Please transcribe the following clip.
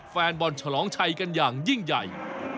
แฟนบอลฉลองชัยกันอย่างยิ่งใหญ่